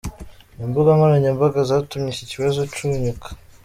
Imbuga nkoranyambaga zatumye iki kibazo cunyuka.